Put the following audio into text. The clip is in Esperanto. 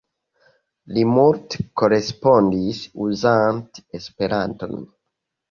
Li multe korespondis uzante Esperanton.